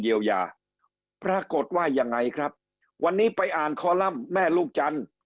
เยียวยาปรากฏว่ายังไงครับวันนี้ไปอ่านคอลัมป์แม่ลูกจันทร์